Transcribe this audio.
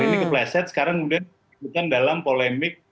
ini kepleset sekarang kemudian disebutkan dalam polemik